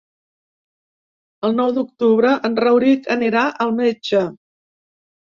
El nou d'octubre en Rauric anirà al metge.